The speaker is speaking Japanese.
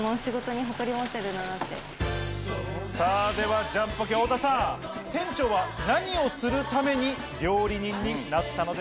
さぁではジャンポケ・太田さん店長は何をするために料理人になったのでしょうか？